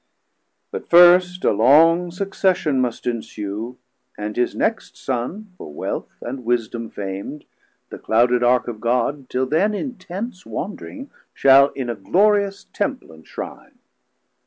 But first a long succession must ensue, 330 And his next Son for Wealth and Wisdom fam'd, The clouded Ark of God till then in Tents Wandring, shall in a glorious Temple enshrine.